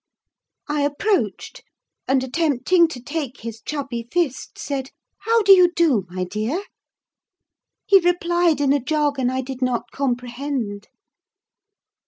I approached, and, attempting to take his chubby fist, said—"How do you do, my dear?" He replied in a jargon I did not comprehend.